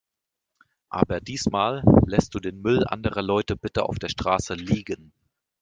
Aber diesmal lässt du den Müll anderer Leute bitte auf der Straße liegen.